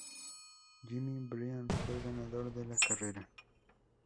Jimmy Bryan fue el ganador de la carrera.